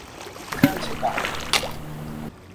Candiba